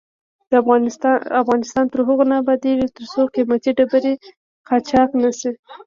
افغانستان تر هغو نه ابادیږي، ترڅو قیمتي ډبرې قاچاق نشي.